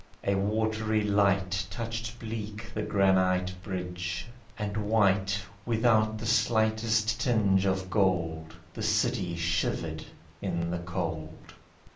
A watery light Touched bleak the granite bridge, and white Without the slightest tinge of gold, The city shivered in the cold.